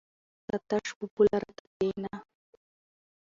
ته تش په پوله راته کېنه!